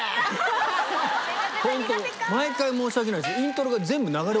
ホント毎回申し訳ないです。